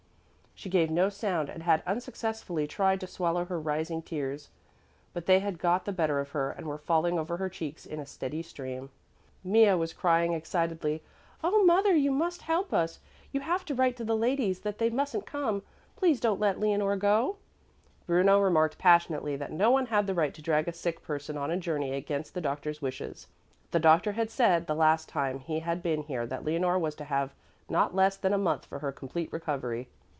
She gave no sound and had unsuccessfully tried to swallow her rising tears, but they had got the better of her and were falling over her cheeks in a steady stream. Mea was crying excitedly, "Oh, mother, you must help us. You have to write to the ladies that they mustn't come. Please don't let Leonore go!" Bruno remarked passionately that no one had the right to drag a sick person on a journey against the doctor's wishes. The doctor had said the last time he had been here that Leonore was to have not less than a month for her complete recovery.